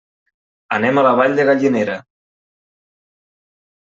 Anem a la Vall de Gallinera.